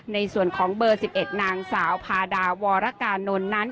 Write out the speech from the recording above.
ในส่วนของเบอร์๑๑นางสาวพาดาวรกานนท์นั้น